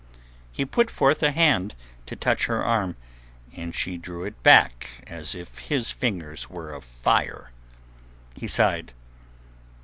He put forth a hand to touch her arm, and she drew it back as if his fingers were of fire. He sighed.